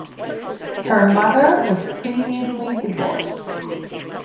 Her mother was previously divorced.